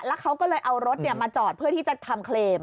เขาก็เลยเอารถมาจอดเพื่อที่จะทำเคลม